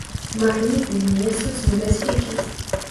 Магніты не нясуць небяспекі!